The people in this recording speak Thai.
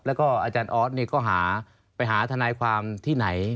แล้วก็อาจารย์ออสก็หาไปหาทนายความที่ไหน